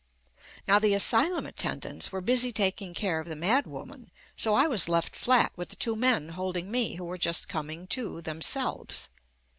Now the asylum attendants were busy tak ing care of the mad woman so I was left flat with the two men holding me who were just coming too, themselves.